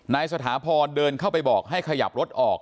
สถาพรเดินเข้าไปบอกให้ขยับรถออก